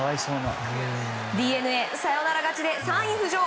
ＤｅＮＡサヨナラ勝ちで３位浮上。